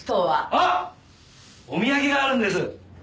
あっお土産があるんです。